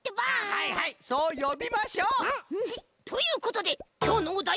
はいはいそうよびましょう。ということできょうのおだいはこれ！